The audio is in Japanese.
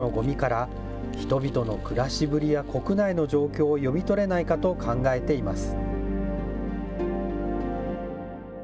北朝鮮の食品や生活用品などのごみから、人々の暮らしぶりや国内の状況を読み取れないかと考えています。